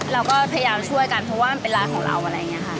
เราก็พยายามช่วยกันเพราะว่ามันเป็นร้านของเราอะไรอย่างนี้ค่ะ